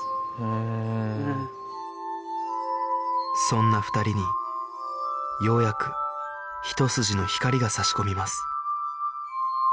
そんな２人にようやくひと筋の光が差し込みます